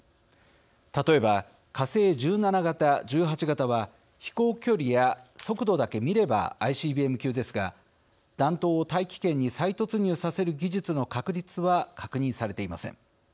例えば、火星１７型・１８型は飛行距離や速度だけ見ればＩＣＢＭ級ですが弾頭を大気圏に再突入させる技術の確立は確認されていません。